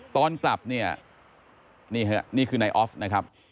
ตอนกลับนี่นี่คือนายออฟนะครับ